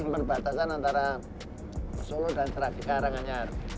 berbatasan antara solo dan teradika ranganyar